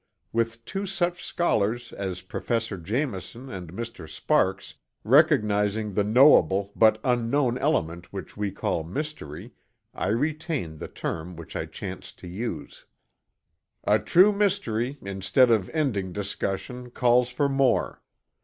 With two such scholars as Professor Jameson and Mr. Sparks recognizing the knowable but unknown element which we call mystery, I retain the term which I chanced to use. "A true mystery, instead of ending discussion, calls for more."